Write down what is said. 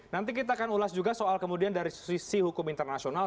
nanti kita akan ulas juga soal kemudian dari sisi hukum internasional